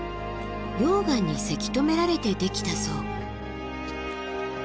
溶岩にせき止められてできたそう。